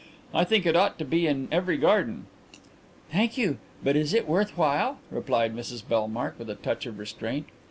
"I think it ought to be in every garden." "Thank you but is it worth while?" replied Mrs Bellmark, with a touch of restraint.